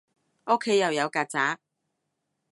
屋企又有曱甴